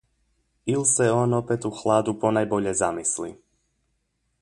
Il' se opet on u hladu ponajbolje zamisli.